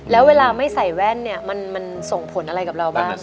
แล้วเวลาไม่ใส่แว่นเนี่ยมันส่งผลอะไรกับเราบ้าง